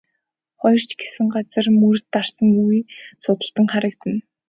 Хоёр ч хэсэг газар мөр дарсан үе судалтан харагдана.